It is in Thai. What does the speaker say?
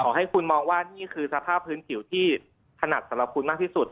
ให้คุณมองว่านี่คือสภาพพื้นผิวที่ถนัดสำหรับคุณมากที่สุด